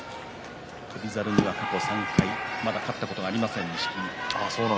翔猿には過去３回まだ勝ったことがありません錦木。